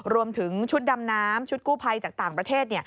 รวมถึงชุดดำน้ำชุดกู้ภัยจากต่างประเทศ